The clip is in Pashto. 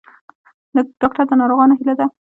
ډاکټر د ناروغانو هیله ده